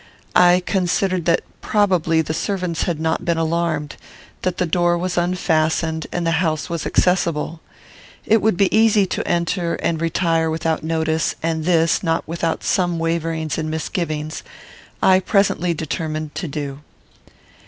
I considered that, probably, the servants had not been alarmed. That the door was unfastened, and the house was accessible. It would be easy to enter and retire without notice; and this, not without some waverings and misgivings, I presently determined to do.